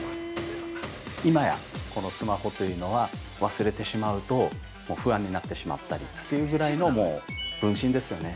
今や、このスマホというのは忘れてしまうと不安になってしまったりというぐらいの分身ですよね。